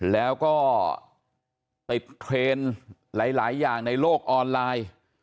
แล้วก็ติดเทรนด์หลายอย่างในโลกออนไลน์